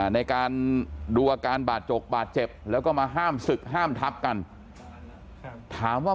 ในการดูอาการบาดจกบาดเจ็บแล้วก็มาห้ามศึกห้ามทับกันถามว่า